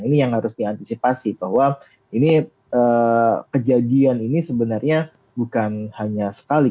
ini yang harus diantisipasi bahwa ini kejadian ini sebenarnya bukan hanya sekali